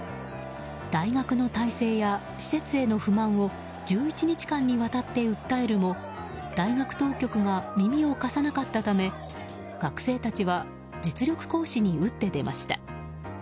大学の体制や施設への不満を１１日間にわたって訴えるも大学当局が耳を貸さなかったため学生たちは実力行使に打って出ました。